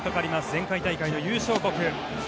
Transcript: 前回大会の優勝国。